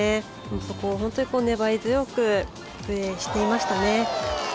そこを粘り強くプレーしていましたね。